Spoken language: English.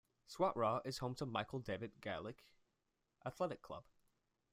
Swatragh is home to Michael Davitt Gaelic Athletic Club.